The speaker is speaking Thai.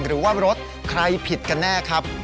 หรือว่ารถใครผิดกันแน่ครับ